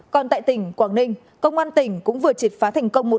còn tại tỉnh quảng ninh công an tỉnh cũng vừa triệt phá thành công một lần